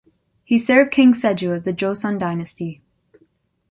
He served King Sejo of the Joseon dynasty.